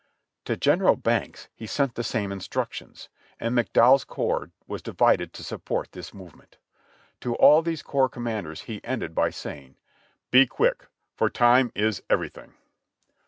To General Banks he sent the same instructions, and McDow ell's corps was divided to support this movement. To all these corps commanders he ended by saying: "Be quick, for time is everything."